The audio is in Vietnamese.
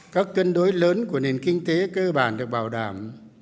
các cân đối lớn của nền kinh tế cơ bản được bảo đảm